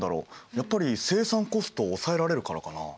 やっぱり生産コストを抑えられるからかな？